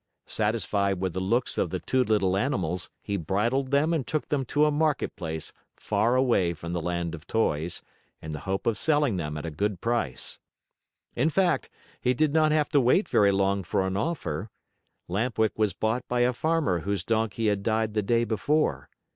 Satisfied with the looks of the two little animals, he bridled them and took them to a market place far away from the Land of Toys, in the hope of selling them at a good price. In fact, he did not have to wait very long for an offer. Lamp Wick was bought by a farmer whose donkey had died the day before.